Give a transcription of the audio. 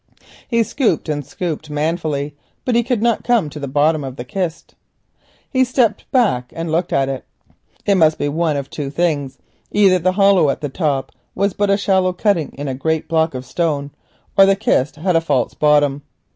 He scooped and scooped manfully, but he could not come to the bottom of the kist. He stepped back and looked at it. It must be one of two things—either the hollow at the top was but a shallow cutting in a great block of stone, or the kist had a false bottom.